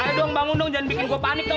aduh bangun dong jangan bikin gua panik dong